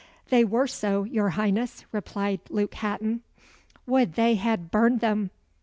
"They were so, your Highness," replied Luke Hatton. "Would they had burned them!"